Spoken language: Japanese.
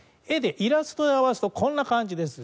イラストで表すとこんな感じです。